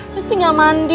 nanti gak mandi